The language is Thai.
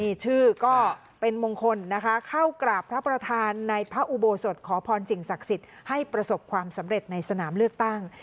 มีชื่อก็เป็นมงคลนะคะเข้ากราบพระประธานในพระอุโบสถขอพรสิ่งศักดิ์สิทธิ์ให้ประสบความสำเร็จในสนามเลือกตั้ง